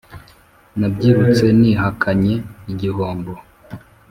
Nabyirutse nihakanye igihombo